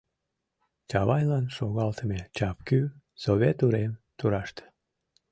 — Чавайнлан шогалтыме чапкӱ — Совет урем тураште.